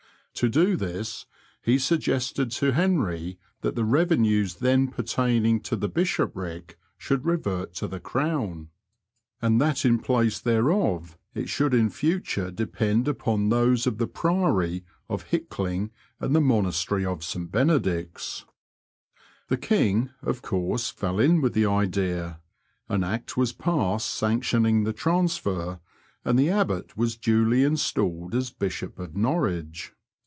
To do this, he suggested to Henry that the revenues then pertaining to the bishopric should revert to the Crown, and that in place thereof yGOOgf" 116 BBOADS AND BIVEBS OF NOBFOLE AND SUFFOLK. it should in future depend upon those of the priory of Hickling and the monastery of St Benedict's. The King of course fell in with the idea, an Act was passed sanctioning the transfer^ and the Abbot was duly installed as Bishop of Norwich.